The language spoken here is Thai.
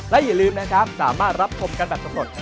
และอย่าลืมนะครับสามารถรับชมกันแบบสำรวจ